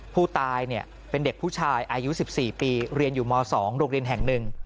ผู้ตายเป็นเด็กผู้ชายอายุ๑๔ปีเรียนอยู่ม๒โรงเรียนแห่ง๑